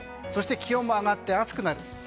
気温も上がって暑くなる。